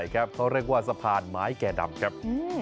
เขาเรียกว่าสะพานไม้แก่ดำครับ